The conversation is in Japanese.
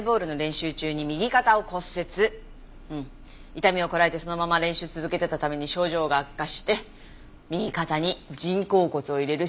痛みをこらえてそのまま練習続けていたために症状が悪化して右肩に人工骨を入れる手術を受けた。